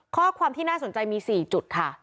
ข้อความที่น่าสนใจมี๔จุดค่ะ